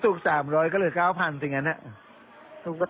๓๖๓เนื้อก้าวพันเป็นยังไงมั่ง